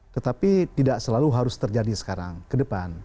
tetapi tidak selalu harus terjadi sekarang ke depan